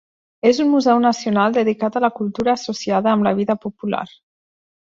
És un museu nacional dedicat a la cultura associada amb la vida popular.